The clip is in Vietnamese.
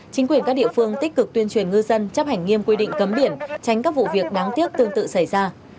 chính quyền các địa phương tích cực tuyên truyền ngư dân chấp hành nghiêm quy định cấm biển tránh các vụ việc đáng tiếc tương tự xảy ra